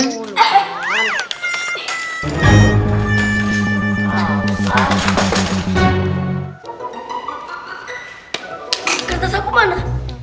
gertas aku mana